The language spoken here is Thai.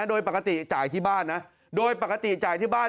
โดยปกติจ่ายที่บ้านนะโดยปกติจ่ายที่บ้าน